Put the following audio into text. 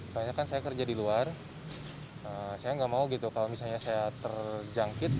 karena saya kan kerja di luar saya nggak mau gitu kalau misalnya saya terjangkit